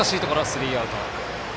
スリーアウト。